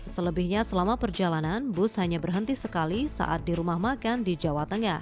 selebihnya selama perjalanan bus hanya berhenti sekali saat di rumah makan di jawa tengah